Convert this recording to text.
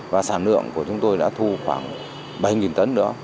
và sản lượng của chúng tôi đã thu khoảng bảy tấn nữa